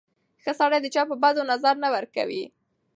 ښه سړی د چا په بدو نظر نه کوي.